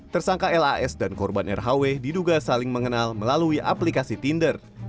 tersangka las dan korban rhw diduga saling mengenal melalui aplikasi tinder